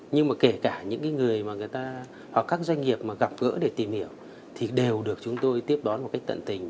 nhưng mà kể cả những người mà người ta hoặc các doanh nghiệp mà gặp gỡ để tìm hiểu thì đều được chúng tôi tiếp đón một cách tận tình